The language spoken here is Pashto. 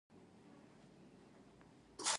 د نسترن سپين ګلان د درختې د زرغونو پاڼو په منځ کښې.